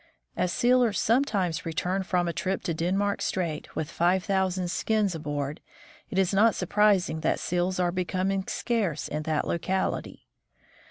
As sealers sometimes return from a trip to Denmark strait with five thousand skins aboard, it is not surprising that seals are becoming scarce in that locality.